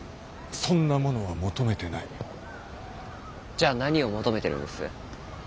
じゃあ何を求めてるんです？